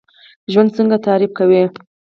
ژوند څنګه تعریف کوئ؟